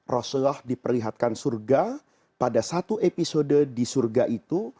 rasulullah diperlihatkan surga pada satu episode di surga itu